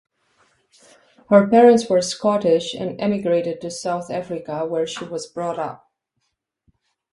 Her parents were Scottish and emigrated to South Africa where she was brought up.